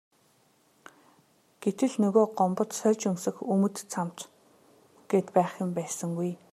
Гэтэл нөгөө Гомбод сольж өмсөх өмд цамц гээд байх юм байсангүй.